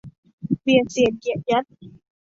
เบียดเสียดเยียดยัด